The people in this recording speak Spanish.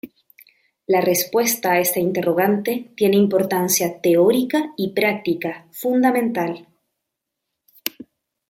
La respuesta a esta interrogante tiene importancia teórica y práctica fundamental.